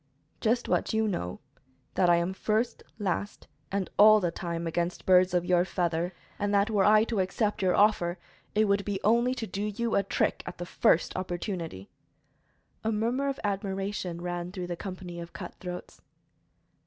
"Just what you know that I am first, last and all the time against birds of your feather, and that were I to accept your offer it would be only to do you a trick at the first opportunity." A murmur of admiration ran through the company of cutthroats.